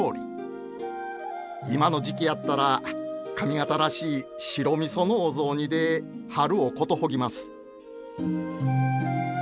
今の時期やったら上方らしい白みそのお雑煮で春をことほぎます。